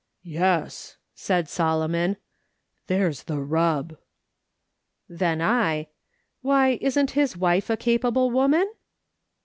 " Yes," said Solomon, " there's the rub." Then I :" "SVTiy, isn't his wife a capable woman